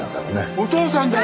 お父さんだよ！